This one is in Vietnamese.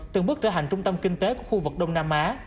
từng bước trở thành trung tâm kinh tế của khu vực đông nam á